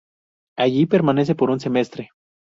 Allí permanece por un semestre.